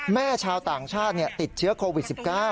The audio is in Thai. แม่ชาวต่างชาติเนี่ยติดเชื้อโควิด๑๙